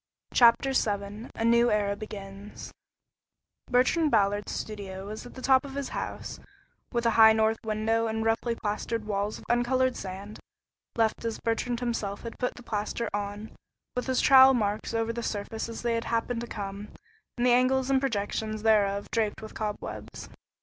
CHAPTER VII A NEW ERA BEGINS Bertrand Ballard's studio was at the top of his house, with a high north window and roughly plastered walls of uncolored sand, left as Bertrand himself had put the plaster on, with his trowel marks over the surface as they happened to come, and the angles and projections thereof draped with cobwebs.